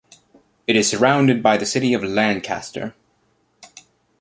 It is surrounded by the city of Lancaster.